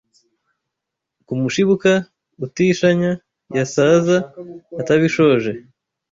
Ku mushibuka utishanya Yasaza atabishoje